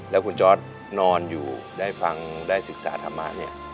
แล้วคุณจอร์ดนอนอยู่ได้ฟังได้ศึกษาธรรมะเนี่ย